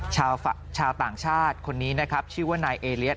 ชาวต่างชาติคนนี้นะครับชื่อว่านายเอเลียส